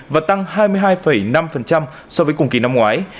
và tăng hai mươi hai năm so với cùng kỳ năm ngoái